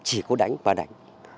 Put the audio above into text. chỉ có đánh và đánh